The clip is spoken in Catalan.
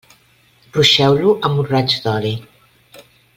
Ruixeu-lo amb un raig d'oli.